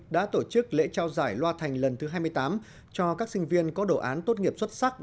đã tổ chức lễ trao giải loa thành lần thứ hai mươi tám cho các sinh viên có đồ án tốt nghiệp xuất sắc